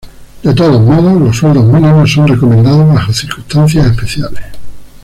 De todos modos, los sueldos mínimos son recomendados bajo circunstancias especiales.